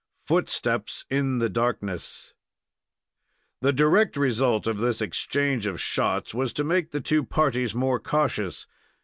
FOOTSTEPS IN THE DARKNESS The direct result of this exchange of shots was to make the two parties more cautious.